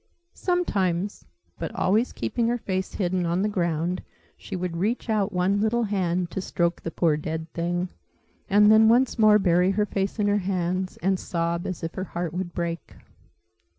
Sometimes, but always keeping her face hidden on the ground, she would reach out one little hand, to stroke the poor dead thing, and then once more bury her face in her hands, and sob as if her heart would break.